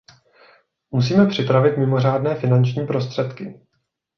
Musíme připravit mimořádné finanční prostředky.